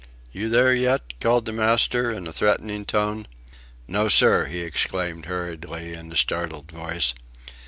" "You there yet?" called the master in a threatening tone. "No, sir," he exclaimed, hurriedly, in a startled voice.